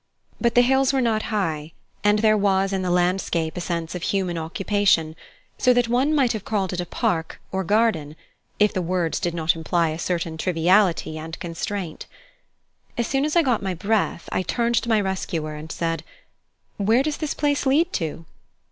But the hills were not high, and there was in the landscape a sense of human occupation so that one might have called it a park, or garden, if the words did not imply a certain triviality and constraint. As soon as I got my breath, I turned to my rescuer and said: "Where does this place lead to?"